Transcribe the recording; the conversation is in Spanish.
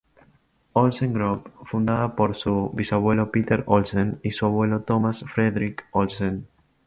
Olsen Group, fundada por su bisabuelo Petter Olsen y su abuelo Thomas Fredrik Olsen.